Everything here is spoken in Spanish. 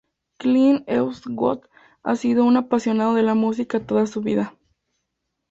Clint Eastwood ha sido un apasionado de la música toda su vida.